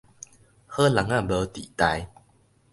好人仔無底代